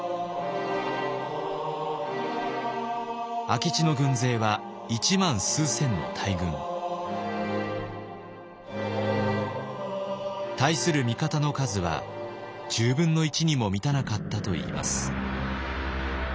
明智の軍勢は一万数千の大軍。対する味方の数は１０分の１にも満たなかったといいます。